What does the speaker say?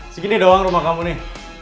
segini doang rumah kamu nih